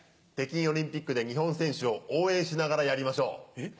北京オリンピックで日本選手を応援しながらやりましょう。